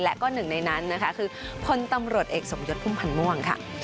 และก็หนึ่งในนั้นนะคะคือพลตำรวจเอกสมยศพุ่มพันธ์ม่วงค่ะ